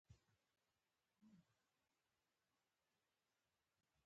عبارت د تشریح له پاره راځي.